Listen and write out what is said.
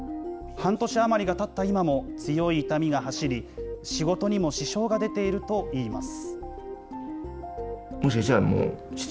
半年余りがたった今も、強い痛みが走り、仕事にも支障が出ているといいます。